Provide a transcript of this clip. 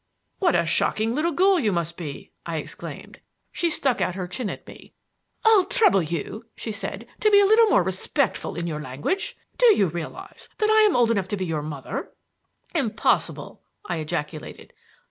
"What a shocking little ghoul you must be!" I exclaimed. She stuck out her chin at me. "I'll trouble you," she said, "to be a little more respectful in your language. Do you realize that I am old enough to be your mother?" "Impossible!" I ejaculated.